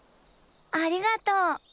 ありがとう。